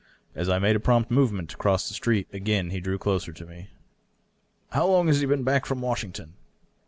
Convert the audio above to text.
As I made a prompt movement to cross the street again he drew closer to me. " How long has he been back from Washington